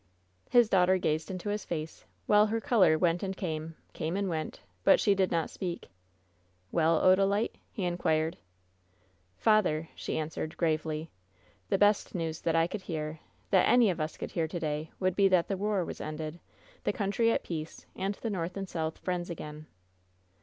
His daughter gazed into his face, while her color went and came — came and went ; but she did not speak. "Well, Odalile?" he inquired. "Father," she then answered, gravely, "the best news that I could hear, that any of us could hear to day, would be that the war was ended, the country at peace, and the JSTorth and South friends again."